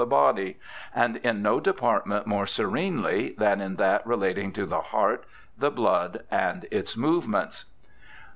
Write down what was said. HARVEY 309 body, and in no department more serenely than in that relating to the heart, the blood and its movements.